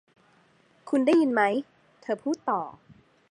'คุณได้ยินไหม' เธอพูดต่อ